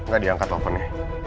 gak diangkat laparnya